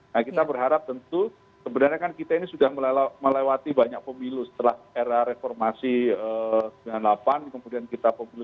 nah kita berharap tentu sebenarnya kan kita ini sudah melewati banyak pemilu setelah era reformasi sembilan puluh delapan kemudian kita pemilu dua ribu sembilan belas